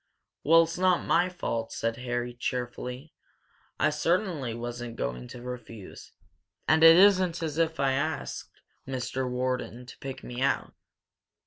"'Well, it's not my fault," said Harry, cheerfully. "I certainly wasn't going to refuse. And it isn't as if I'd asked Mr. Wharton to pick me out."